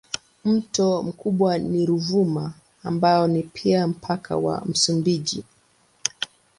Mto mkubwa ni Ruvuma ambao ni pia mpaka wa Msumbiji.